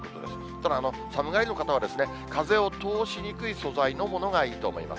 ただ、寒がりの方は、風を通しにくい素材のものがいいと思います。